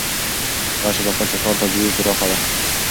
هغه شبکه چې ښار ته ځي پراخه ده.